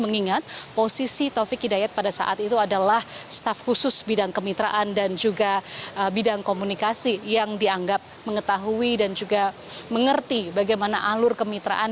mengingat posisi taufik hidayat pada saat itu adalah staf khusus bidang kemitraan dan juga bidang komunikasi yang dianggap mengetahui dan juga mengerti bagaimana alur kemitraan